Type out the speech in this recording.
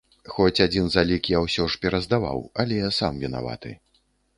Хоць адзін залік я ўсё ж пераздаваў, але сам вінаваты.